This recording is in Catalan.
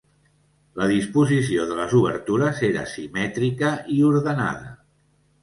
La disposició de les obertures era simètrica i ordenada.